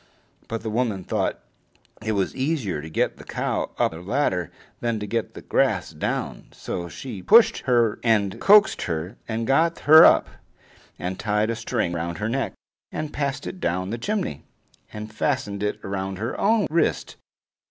But the woman thought it was easier to get the cow up the ladder than to get the grass down, so she pushed her and coaxed her and got her up, and tied a string round her neck, and passed it down the chimney, and fastened it to her own wrist.